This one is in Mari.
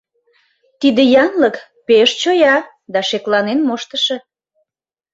Тиде янлык пеш чоя да шекланен моштышо.